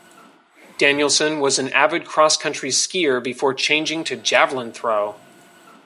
Danielsen was an avid cross-country skier before changing to javelin throw.